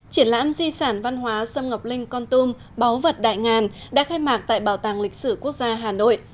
triển lãm di sản văn hóa sâm ngọc linh con tum báu vật đại ngàn đã khai mạc tại bảo tàng lịch sử quốc gia hà nội